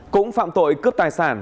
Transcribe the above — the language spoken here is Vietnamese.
cũng phạm tội cướp tài sản